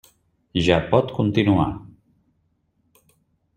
Ja pot continuar.